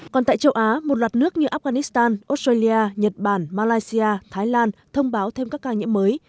còn tại châu á một loạt nước như afghanistan australia nhật bản malaysia thái lan thông báo thêm các ca nhiễm mới